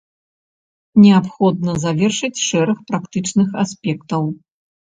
Неабходна завершыць шэраг практычных аспектаў.